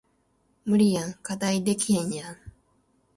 無理やん課題できへんやん